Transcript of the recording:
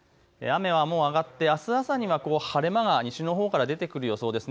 雨はもう上がってあす朝には晴れ間が西のほうから出てくる予想です。